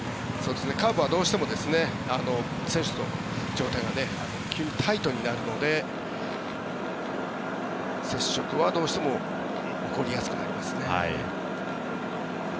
カーブはどうしても選手の状態がタイトになるので接触はどうしても起こりやすくなりますね。